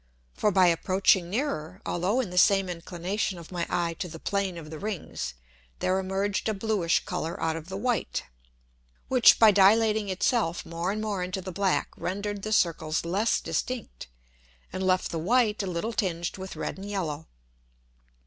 For by approaching nearer, although in the same inclination of my Eye to the Plane of the Rings, there emerged a bluish Colour out of the white, which by dilating it self more and more into the black, render'd the Circles less distinct, and left the white a little tinged with red and yellow.